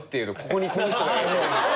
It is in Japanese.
ここにこの人がいると。